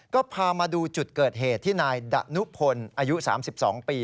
ก็พามาดูจุดเกิดเหตุที่นายดะนุพลอายุ๓๒ปี